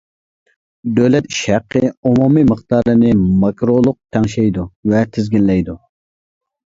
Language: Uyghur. دۆلەت ئىش ھەققى ئومۇمىي مىقدارىنى ماكرولۇق تەڭشەيدۇ ۋە تىزگىنلەيدۇ.